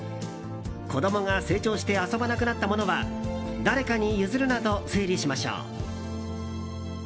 子供が成長して遊ばなくなったものは誰かに譲るなど整理しましょう。